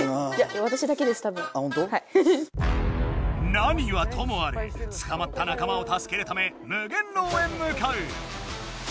何はともあれつかまった仲間を助けるため無限牢へむかう！